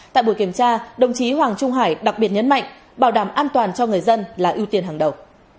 tại buổi kiểm tra đồng chí hoàng trung hải đặc biệt nhấn mạnh bảo đảm an toàn cho người dân là ưu tiên hàng đầu